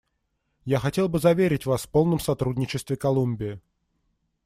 Я хотел бы заверить Вас в полном сотрудничестве Колумбии.